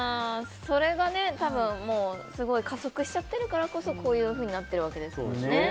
それが加速しちゃってるからこそこういうふうになっているわけですからね。